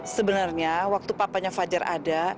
sebenarnya waktu papanya fajar ada